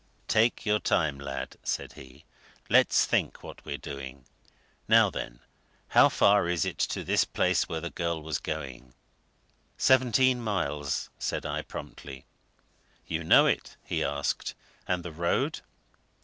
"Take your time, lad," said he. "Let's think what we're doing. Now then, how far is it to this place where the girl was going?" "Seventeen miles," said I, promptly. "You know it?" he asked. "And the road?"